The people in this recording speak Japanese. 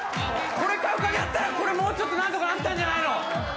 これ買う金あったら、これ、もうちょっとどうにかなったんじゃないの。